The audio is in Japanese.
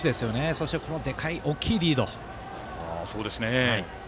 そして、この大きいリード。